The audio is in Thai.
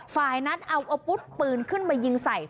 ฝ่ายนั้นเอาอาวุธปืนขึ้นมายิงใส่